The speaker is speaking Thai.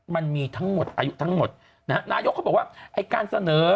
มันมีทั้งหมดอายุทั้งหมดนะฮะนายกเขาบอกว่าไอ้การเสนอ